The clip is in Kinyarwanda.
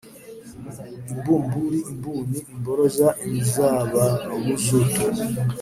i mbumburi, l mbundi, l mboroza, lnzibabuzutu